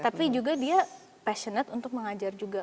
tapi juga dia passionate untuk mengajar juga